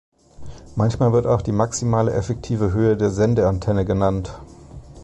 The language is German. Manchmal wird auch die maximale effektive Höhe der Sendeantenne genannt.